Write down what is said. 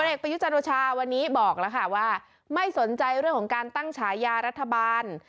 เอกประยุจันโอชาวันนี้บอกแล้วค่ะว่าไม่สนใจเรื่องของการตั้งฉายารัฐบาล